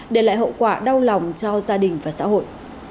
để lại hậu quả đau lòng cho gia đình và xã hội